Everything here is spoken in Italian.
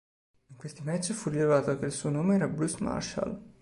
In questi match, fu rivelato che il suo nome era Bruce Marshall.